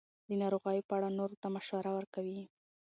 د ناروغیو په اړه نورو ته مشوره ورکوي.